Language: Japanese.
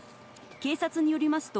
警察によりますと、